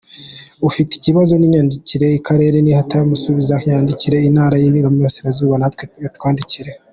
Ufite ikibazo niyandikire Akarere nikatamusubiza yandikire Intara, nitamusubiza natwe atwandikire.